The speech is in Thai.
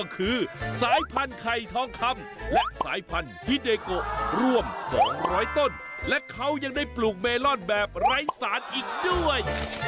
เกษตรกรที่ปลูกเมลอนแบบไร้สารอีกด้วย